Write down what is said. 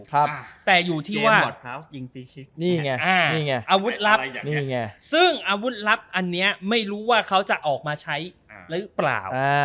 แต่อยู่ที่ว่าอาวุธลับซึ่งอาวุธลับอันเนี้ยไม่รู้ว่าเขาจะออกมาใช้หรือเปล่า